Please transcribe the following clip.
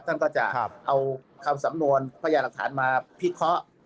ท่านก็จะเอาคำสำนวนพญาหลักฐานมาพิเคราะห์